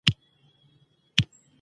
وايي، لیرې د ممکن ترحده لیرې